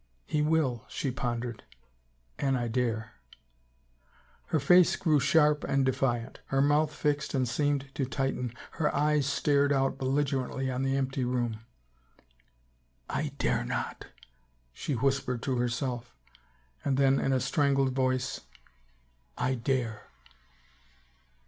" He will," she pondered, " an I dare —" Her face grew sharp and defiant. Her mouth fixed and seemed to tighten, her eyes stared out belligerently on the empty room. " I dare not," she whispered to herself, and then in a strangled voice, " I dare